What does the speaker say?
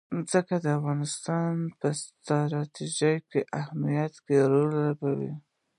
ځمکه د افغانستان په ستراتیژیک اهمیت کې رول لري.